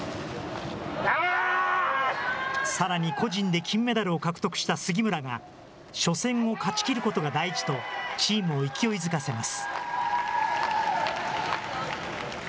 さらに個人で金メダルを獲得した杉村が、初戦を勝ちきることが大事と、チームを勢いづかせます。